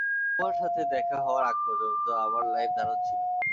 তোমার সাথে দেখা হওয়ার আগ পর্যন্ত আমার লাইফ দারুণ ছিল।